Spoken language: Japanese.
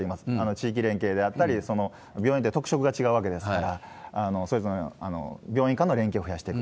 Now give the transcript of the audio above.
地域連携であったり、病院って特色が違うわけですから、それぞれ病院間の連携を増やしていく。